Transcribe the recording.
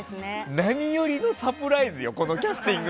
何よりのサプライズよこのキャスティング。